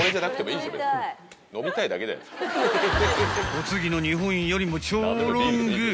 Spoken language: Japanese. ［お次の日本よりも超ロング！